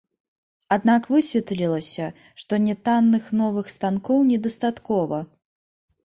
Аднак высветлілася, што нятанных новых станкоў недастаткова.